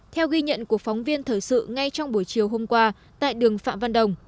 theo ghi nhận của phóng viên thời sự ngay trong buổi chiều hôm qua tại đường phạm văn đồng